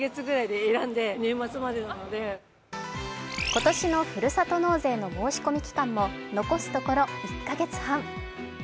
今年のふるさと納税の申し込み期間も残すところ１か月半。